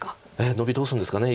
ノビどうするんですかね。